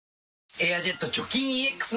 「エアジェット除菌ＥＸ」